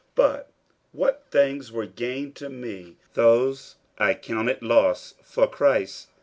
50:003:007 But what things were gain to me, those I counted loss for Christ.